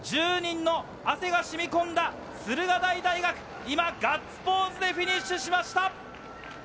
１０人の汗が染み込んだ駿河台大学、今、ガッツポーズでフィニッシュしました。